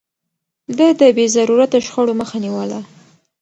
ده د بې ضرورته شخړو مخه نيوله.